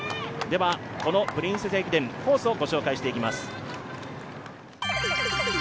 このプリンセス駅伝、コースをご紹介していきます。